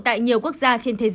tại nhiều quốc gia